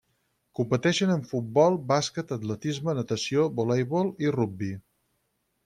Competeixen en futbol, bàsquet, atletisme, natació, voleibol i rugbi.